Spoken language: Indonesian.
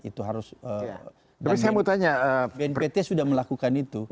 itu harus bnpt sudah melakukan itu